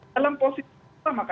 dalam posisi kita maka